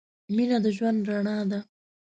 مینه د ژوند رڼا ده.